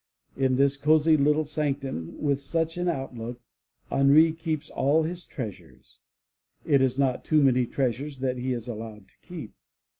In this cozy little sanctum, with such an outlook, Henri keeps all his treasures. It is not too many treasures that he is allowed to keep.